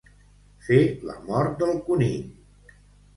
Fer la mort del conill.